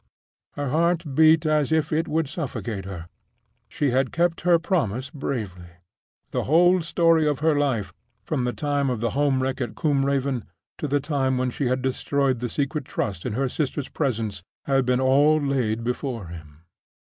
Her heart beat as if it would suffocate her. She had kept her promise bravely. The whole story of her life, from the time of the home wreck at Combe Raven to the time when she had destroyed the Secret Trust in her sister's presence, had been all laid before him.